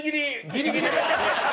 ギリギリ？何？